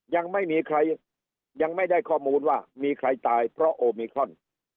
ยังไม่ได้ข้อมูลว่ามีใครตายเพราะโอมิคลอน